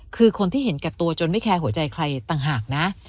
คือคนที่เห็นแก่ตัวจนไม่แคร์หัวใจใครต่างหากนะ